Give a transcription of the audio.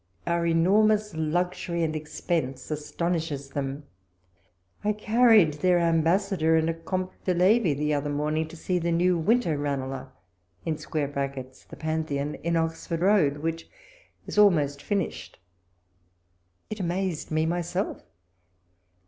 Our enormous luxury and expense astonishes them. I carried their Ambassador, and a Comte de Levi, tlie other morning to see the new winter Ranelagh [The Pantheon] in Oxford Road, which is almost finished. It amazed me myself.